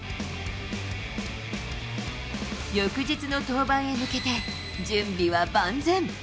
翌日の登板へ向けて、準備は万全。